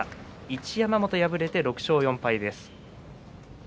一山本、敗れて６勝４敗です。